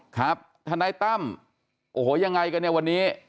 ทนายตั้มโอ้โหยังไงกันเนี่ยวันนี้